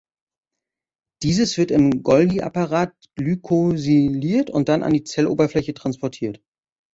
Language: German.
Dieses wird im Golgi-Apparat glykosyliert und dann an die Zelloberfläche transportiert.